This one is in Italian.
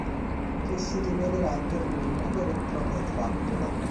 Che si rivelerà per lui una vera e propria trappola.